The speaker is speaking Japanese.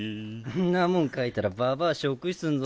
んなもん描いたらばばあショック死すんぞ。